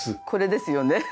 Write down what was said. これですよね。